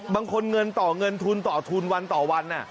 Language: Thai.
เงินต่อเงินทุนต่อทุนวันต่อวัน